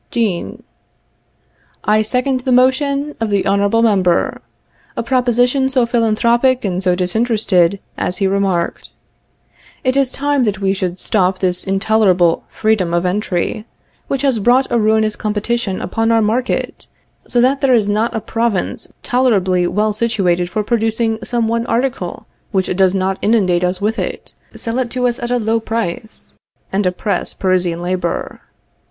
] Jean. I second the motion of the Honorable member a proposition so philanthropic and so disinterested, as he remarked. It is time that we should stop this intolerable freedom of entry, which has brought a ruinous competition upon our market, so that there is not a province tolerably well situated for producing some one article which does not inundate us with it, sell it to us at a low price, and depress Parisian labor.